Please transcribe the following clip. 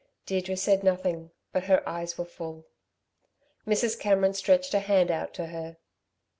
Deirdre said nothing, but her eyes were full. Mrs. Cameron stretched a hand out to her.